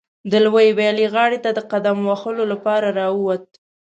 د لویې ویالې غاړې ته د قدم وهلو لپاره راووت.